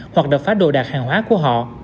hoặc đập phá đồ đạt hàng hóa của họ